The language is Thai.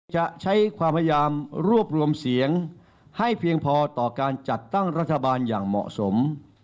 จะใช้ความพยายามรวบรวมเสียงให้เพียงพอต่อการจัดตั้งรัฐบาลอย่างเหมาะสม